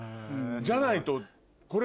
じゃないと。